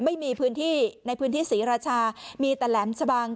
ไม่มีพื้นที่ในพื้นที่ศรีราชามีแต่แหลมชะบัง